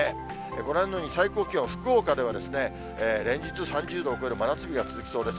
ご覧のように最高気温、福岡では連日３０度を超える真夏日が続きそうです。